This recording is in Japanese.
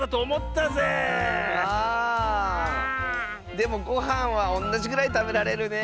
でもごはんはおんなじぐらいたべられるねえ。